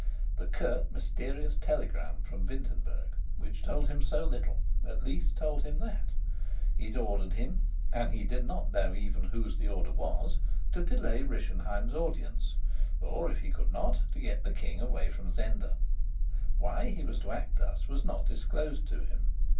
The curt, mysterious telegram from Wintenberg, which told him so little, at least told him that. It ordered him and he did not know even whose the order was to delay Rischenheim's audience, or, if he could not, to get the king away from Zenda: why he was to act thus was not disclosed to him.